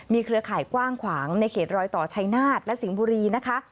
เครือข่ายกว้างขวางในเขตรอยต่อชัยนาฏและสิงห์บุรีนะคะ